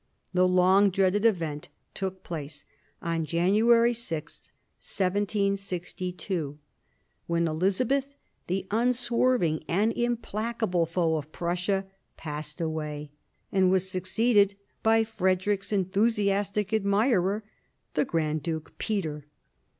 The long dreaded event took place on January 6, 1762. The old Czarina, Elizabeth, the implacable foe of Prussia, passed away, and was succeeded by Frederick's enthusi astic admirer, the Grand Duke Peter.